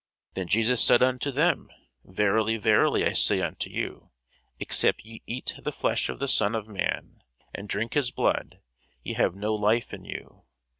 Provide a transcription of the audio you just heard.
Then Jesus said unto them, Verily, verily, I say unto you, Except ye eat the flesh of the Son of man, and drink his blood, ye have no life in you.